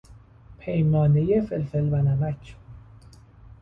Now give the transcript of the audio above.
پیمانه فلفل و نمک